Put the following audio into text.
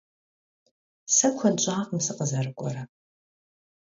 Se kued ş'akhım sıkhızerık'uere.